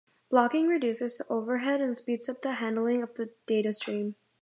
Blocking reduces the overhead and speeds up the handling of the data-stream.